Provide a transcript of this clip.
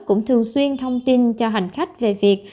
cũng thường xuyên thông tin cho hành khách về việc